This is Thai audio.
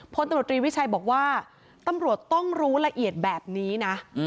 พลตำรวจรีวิชัยบอกว่าตำรวจต้องรู้ละเอียดแบบนี้นะ